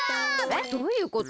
えっどういうこと？